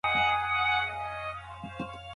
د افغانستان ښوونه او روزنه ولې وروسته پاتې ده؟